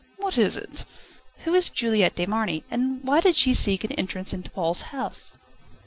"What is it?" "Who is Juliette de Marny, and why did she seek an entrance into Paul's house?"